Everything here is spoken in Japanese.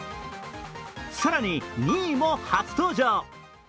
更に、２位も初登場。